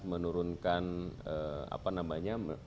menurunkan apa namanya